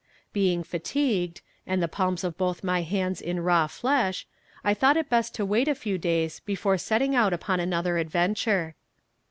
Being fatigued, and the palms of both my hands in raw flesh, I thought it best to wait a few days before setting out upon another adventure.